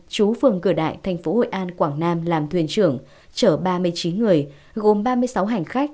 chú phường cửa đại thành phố hội an quảng nam làm thuyền trưởng chở ba mươi chín người gồm ba mươi sáu hành khách